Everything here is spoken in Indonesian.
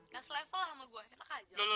gas level lah sama gua enak aja lo